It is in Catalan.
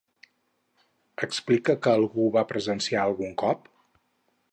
Explica que algú ho va presenciar algun cop?